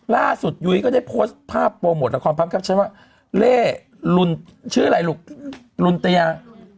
ยุ้ยก็ได้โพสต์ภาพโปรโมทละครพร้อมแคปชั่นว่าเล่ลุนชื่ออะไรลูกลุนตยา